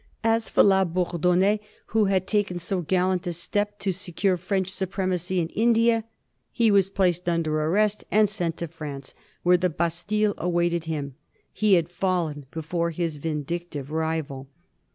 As for La Bourdonnais, who had taken so gallant a step to secure French supremacy in India, he was placed under arrest and sent to France, where the Bastille await ed him ; he had fallen before his vindictive rival.